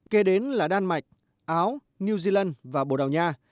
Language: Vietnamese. kế đến là đan mạch áo new zealand và bồ đào nha